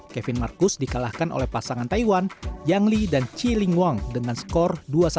kevin marcus dikalahkan oleh pasangan taiwan yang lee dan chi linguang dengan skor dua satu